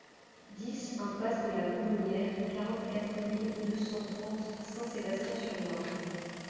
dix impasse de la Goulonnière, quarante-quatre mille deux cent trente Saint-Sébastien-sur-Loire